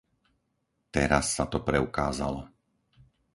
Teraz sa to preukázalo.